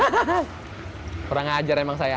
kurang ngajar memang saya